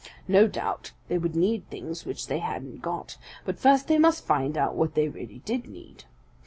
No doubt they would need things which they hadn't got, but first they must find out what they really did need.